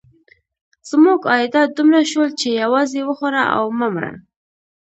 زموږ عایدات دومره شول چې یوازې وخوره او مه مره.